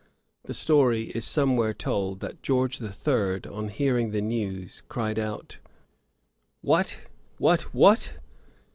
The story is somewhere told that George III, on hearing the news, cried out, 'What, what, what!